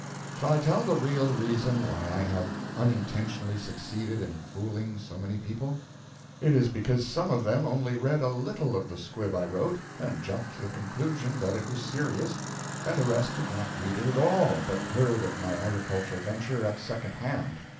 Shall I tell the real reason why I have unintentionally succeeded in fooling so many people? It is because some of them only read a little of the squib I wrote and jumped to the conclusion that it was serious, and the rest did not read it at all, but heard of my agricultural venture at second hand.